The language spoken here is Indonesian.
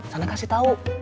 sana kasih tau